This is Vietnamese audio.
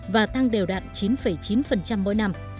và tăng đều đạn chín chín mỗi năm